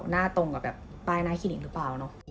ตรงกับแบบป้ายหน้าคลินิกหรือเปล่าเนอะ